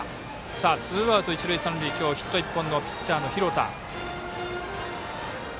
ツーアウト一塁三塁今日ヒット１本の廣田。